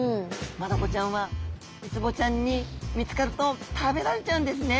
マダコちゃんはウツボちゃんに見つかると食べられちゃうんですね！